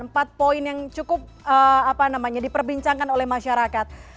empat poin yang cukup diperbincangkan oleh masyarakat